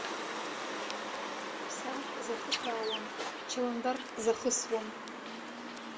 Ԥсаатәк захыԥраауам, чаландарк захысуам!